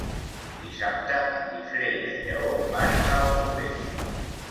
Dissabte en Guifré i en Lleó van a Alcover.